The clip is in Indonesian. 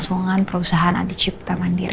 silahkan mbak mbak